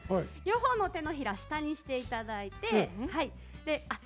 両方の手のひら下にしていただいて。